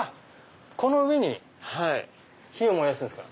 この上に火を燃やすんですか。